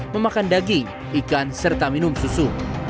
memakan daging ikan serta minum susu